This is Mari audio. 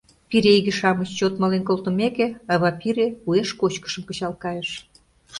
Пире иге-шамыч чот мален колтымеке, ава пире уэш кочкышым кычал кайыш.